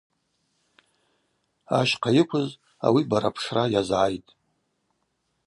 Ащхъа йыквыз ауи барапшра йазгӏайтӏ.